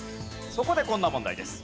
そこでこんな問題です。